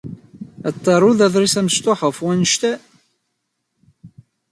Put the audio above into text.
Ad taruḍ aḍris amecṭuḥ ɣef wanect-a?